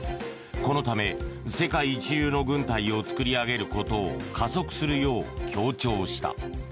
このため、世界一流の軍隊を作り上げることを加速するよう強調した。